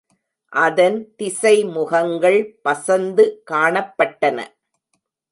அதன் திசை முகங்கள் பசந்து காணப்பட்டன.